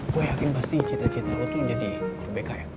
gue yakin pasti cita cita lo tuh jadi merdeka ya